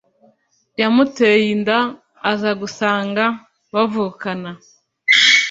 Yamuteye inda azagusanga bavukana